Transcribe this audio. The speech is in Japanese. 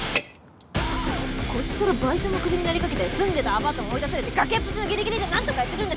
こちとらバイトもクビになりかけて住んでたアパートも追い出されて崖っぷちのギリギリでなんとかやってるんです！